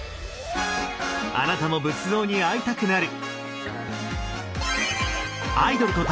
あなたも仏像に会いたくなる！